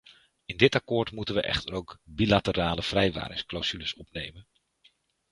In dit akkoord moeten we echter ook bilaterale vrijwaringsclausules opnemen.